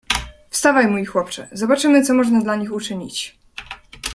"Wstawaj, mój chłopcze; zobaczymy, co można dla nich uczynić."